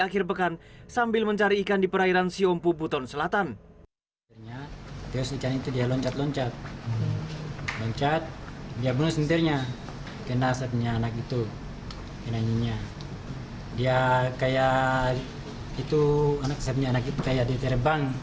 terus dia berenang berenang datang di sampannya itu